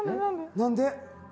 何で？